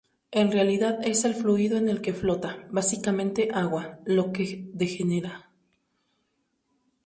En realidad es el fluido en el que flota, básicamente agua, lo que degenera.